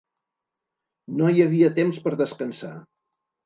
No hi havia temps per descansar.